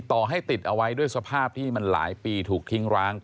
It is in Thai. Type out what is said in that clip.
ต่อให้ติดเอาไว้ด้วยสภาพที่มันหลายปีถูกทิ้งร้าง